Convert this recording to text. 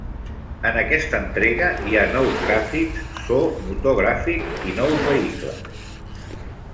En aquesta entrega hi ha nous gràfics, so, motor gràfic i nous vehicles.